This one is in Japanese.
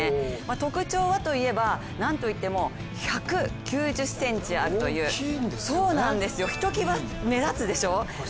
特徴はといえばなんといっても１９０ｃｍあるという、ひときわ目立つでしょう。